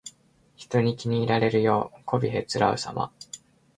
人に気に入られるようにこびへつらうさま。